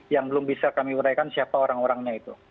yang belum bisa kami uraikan siapa orang orangnya itu